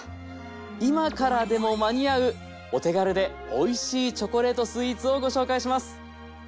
今からでも間に合うお手軽でおいしいチョコレートスイーツをご紹介します。